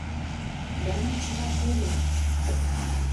Да мый чыла кольым.